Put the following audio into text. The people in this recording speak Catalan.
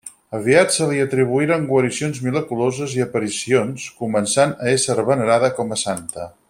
Aviat se li atribuïren guaricions miraculoses i aparicions, començant a ésser venerada com a santa.